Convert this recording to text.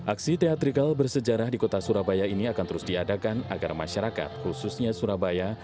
aksi teatrikal bersejarah di kota surabaya ini akan terus diadakan agar masyarakat khususnya surabaya